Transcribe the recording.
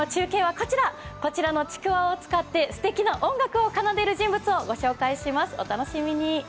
こちらのちくわを使ってすてきな音楽を奏でる方をご紹介します、お楽しみに。